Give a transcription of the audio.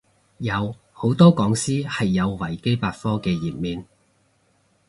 有，好多講師係有維基百科嘅頁面